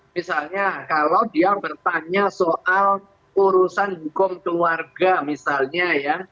misalnya kalau dia bertanya soal urusan hukum keluarga misalnya ya